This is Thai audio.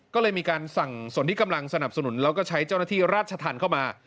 ก็เลยมีการสั่งส่วนที่กำลังสนับสนุนแล้วก็ใช้เจ้าหน้าที่ราชธรรมเข้ามา